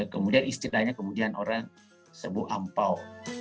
kemudian istilahnya kemudian orang sebut ampau